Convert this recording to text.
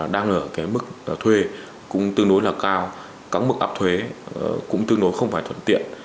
đang ở mức thuê cũng tương đối là cao các mức ập thuế cũng tương đối không phải thuận tiện